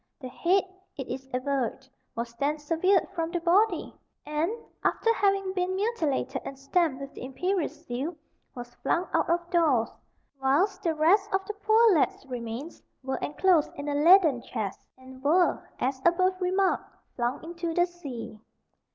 The head, it is averred, was then severed from the body, and, after having been mutilated and stamped with the imperial seal, was flung out of doors, whilst the rest of the poor lad's remains were enclosed in a leaden chest, and were, as above remarked, flung into the sea.